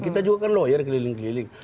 kita juga kan lawyer keliling keliling